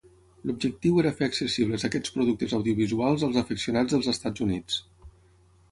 L'objectiu era fer accessibles aquests productes audiovisuals als afeccionats dels Estats Units.